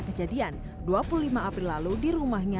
kejadian dua puluh lima april lalu di rumahnya